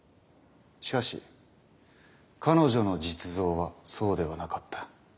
しかし彼女の実像はそうではなかった。